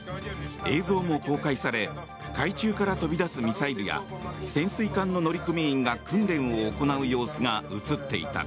映像も公開され海中から飛び出すミサイルや潜水艦の乗組員が訓練を行う様子が映っていた。